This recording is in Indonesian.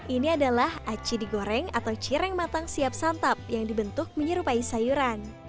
ini adalah aci digoreng atau cireng matang siap santap yang dibentuk menyerupai sayuran